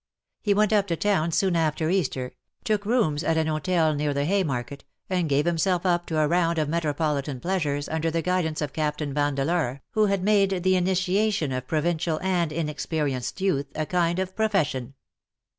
He went up to town soon after Easter^ took rooms at an hotel near the Haymarket, and gave himself up to a round of metropolitan pleasures under the guidance of Captain Vandeleur, who had made tlie initiation of provincial and inexperienced youth a kind of profession.